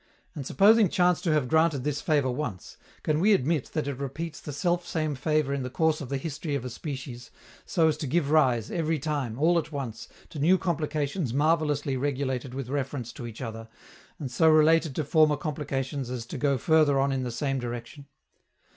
And, supposing chance to have granted this favor once, can we admit that it repeats the self same favor in the course of the history of a species, so as to give rise, every time, all at once, to new complications marvelously regulated with reference to each other, and so related to former complications as to go further on in the same direction?